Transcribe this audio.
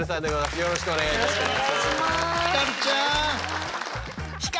よろしくお願いします。